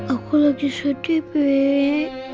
aku lagi sedih be